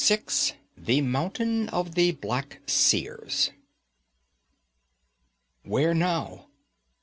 6 The Mountain of the Black Seers 'Where now?'